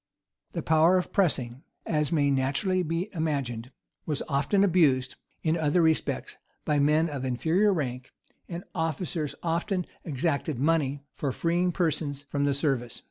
The power of pressing, as may naturally be imagined, was often abused, in other respects, by men of inferior rank; and officers often exacted money for freeing persons from the service.